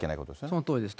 そのとおりです。